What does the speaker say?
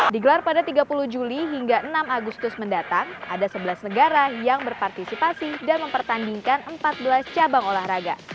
digelar pada tiga puluh juli hingga enam agustus mendatang ada sebelas negara yang berpartisipasi dan mempertandingkan empat belas cabang olahraga